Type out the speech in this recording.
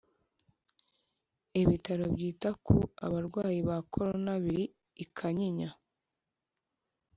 Ibitaro byita ku abarwayi ba korona biri ikanyinya